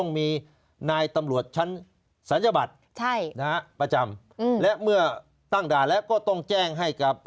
มีนายตำรวจชั้นศัลยบัตรประจำและเมื่อตั้งด่านแล้วก็ต้องแจ้งให้กับ